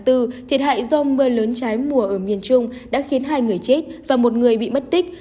thiệt hại do mưa lớn trái mùa ở miền trung đã khiến hai người chết và một người bị mất tích